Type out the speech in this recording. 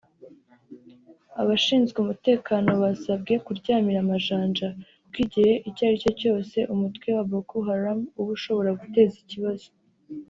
Abashinzwe umutekano basabwe kuryamira amajanja kuko igihe icyo aricyo cyose umutwe wa Boko Haram uba ushobora guteza ikibazo